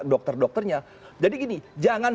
dokter dokternya jadi gini jangan